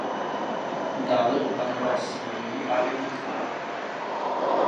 Dále opanoval Sýrii a Egyptu.